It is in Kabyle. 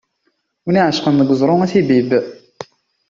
Win iεecqen deg uẓru ad t-ibbib.